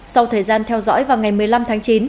sau thời gian theo dõi vào ngày một mươi năm tháng chín